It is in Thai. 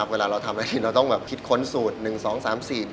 เวลาเราทำอะไรเราต้องแบบคิดค้นสูตร๑๒๓๔